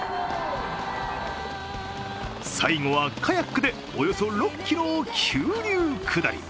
最後はカヤックでおよそ６ｋｍを急流下り。